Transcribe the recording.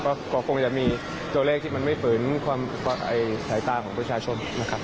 ก็กลัวคงจะมีโดยเลขที่มันไม่เปินความไข่สายตาของผู้ชายชมนะครับ